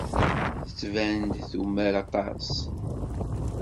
Tettban-d tumar aṭas.